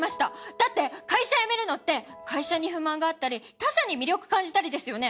だって会社辞めるのって会社に不満があったり他社に魅力感じたりですよね？